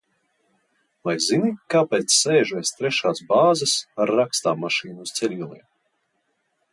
Vai zini, kāpēc sēžu aiz trešās bāzes ar rakstāmmašīnu uz ceļgaliem?